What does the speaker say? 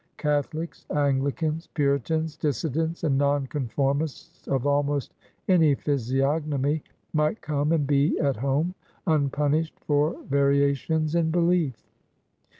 Catholics, Angli cans, Puritans, Dissidents, and Non conformists of almost any physiognomy, might come and be at home, unpimished for variations in belief.